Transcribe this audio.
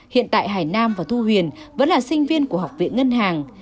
hiện tại hải nam và thu huyền vẫn là sinh viên của học viện ngân hàng